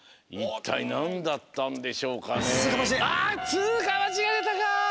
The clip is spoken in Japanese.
つうかまちがでたか！